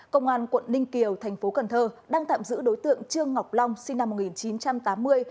công an quận ninh kiều thành phố cần thơ đang tạm giữ đối tượng trương ngọc long sinh năm một nghìn chín trăm tám mươi